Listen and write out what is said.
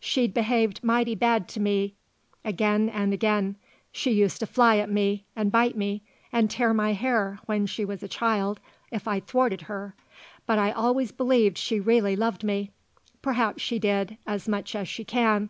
She'd behaved mighty bad to me again and again, she used to fly at me and bite me and tear my hair, when she was a child, if I thwarted her; but I always believed she really loved me; perhaps she did, as much as she can.